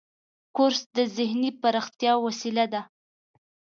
کورس د ذهني پراختیا وسیله ده.